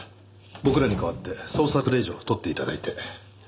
僕らに代わって捜索令状を取って頂いて。